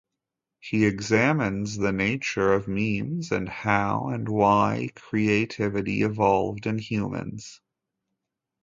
He examines the nature of memes and how and why creativity evolved in humans.